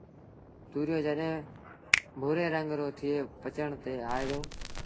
تُوريو جڏهيݩ ڀُوري رنگ رو ٿئي پچڻ تي آئي دو